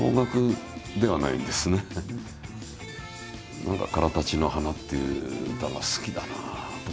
何か「からたちの花」っていう歌が好きだなあとか。